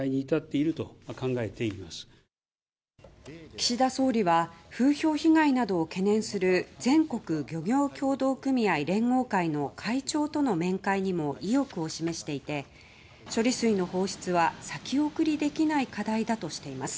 岸田総理は風評被害などを懸念する全国漁業協同組合連合会の会長との面会にも意欲を示していて処理水の放出は先送りできない課題だとしています。